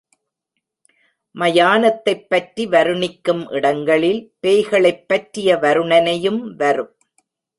மயானத்தைப் பற்றி வருணிக்கும் இடங்களில் பேய்களைப் பற்றிய வருணனையும் வரும்.